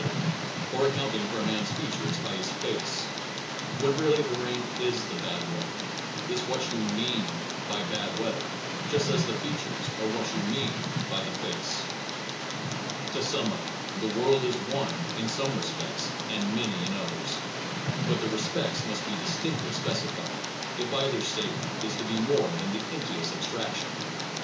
or accounting for a man s features by his face, when really the rain is the bad weather, is what you mean by bad weather, just as the features are what you mean by the face. To sum up, the world is one in some re spects, and many in others. But the respects must be distinctly specified, if either statement is to be more than the emptiest abstraction.